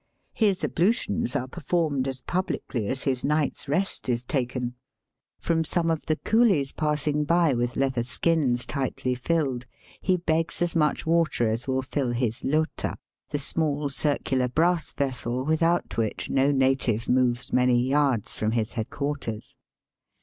His ablutions are per formed as pubKcly as his night's rest is taken. Digitized by VjOOQIC THE LIVEBPOOL OF INDIA. 179 From some of the coolies passing by with leather skins tightly filled he begs as much water as will fill his lota^ the small circular brass vessel without which no native moves many yards from his head quarters.